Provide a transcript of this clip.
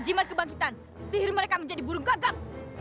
jimat kebangkitan sihir mereka menjadi burung gagap